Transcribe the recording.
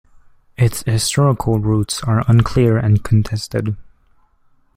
Its historical roots are unclear and contested.